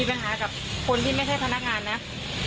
แล้วแกเป็นยังไงว่า